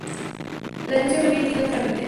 La denuncia fue admitida a trámite.